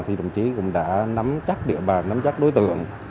thì đồng chí cũng đã nắm chắc địa bàn